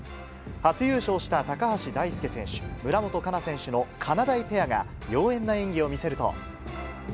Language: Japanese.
初優勝した高橋大輔選手・村元哉中選手のかなだいペアが、妖艶な演技を見せると。